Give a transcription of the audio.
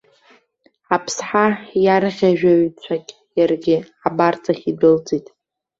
Аԥсҳа иарӷьажәҩацәагь иаргьы абарҵахь идәылҵит.